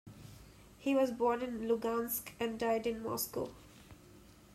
He was born in Lugansk, and died in Moscow.